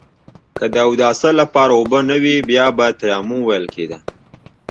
که د اوداسه لپاره اوبه نه وي بيا به تيمم وهل کېده.